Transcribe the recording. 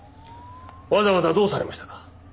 わざわざどうされましたか？